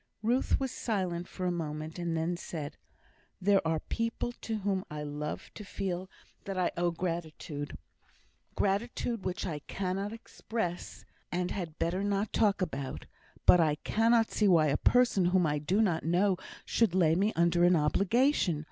'" Ruth was silent for a moment, and then said: "There are people to whom I love to feel that I owe gratitude gratitude which I cannot express, and had better not talk about but I cannot see why a person whom I do not know should lay me under an obligation.